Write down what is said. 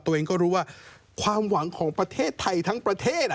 ตัวเองก็รู้ว่าความหวังของประเทศไทยทั้งประเทศ